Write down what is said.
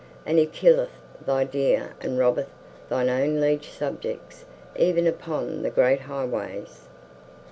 And he killeth thy deer and robbeth thine own liege subjects even upon the great highways."